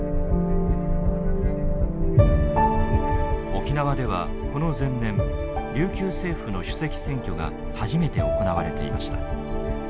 沖縄ではこの前年琉球政府の主席選挙が初めて行われていました。